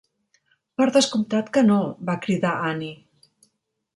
"Per descomptat que no", va cridar Annie.